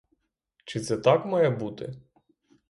Чи це так має бути?